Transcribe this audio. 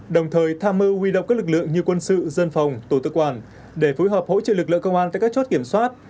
đồng thời tha mơ huy động các lực lượng như quân sự dân phòng tổ tư quan để phối hợp hỗ trợ lực lượng công an tại các chốt kiểm soát